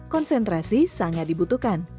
konsentrasi sangat dibutuhkan